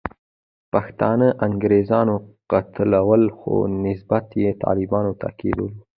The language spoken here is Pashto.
پښتانه انګریزانو قتلول، خو نسبیت یې طالبانو ته کېدلو.